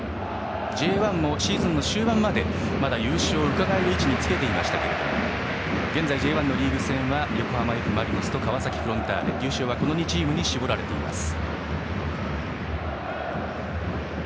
Ｊ１もシーズン終盤まで優勝をうかがえる位置につけていましたが現在、Ｊ１のリーグ戦は横浜Ｆ・マリノスと川崎フロンターレこの２チームに優勝は絞られています。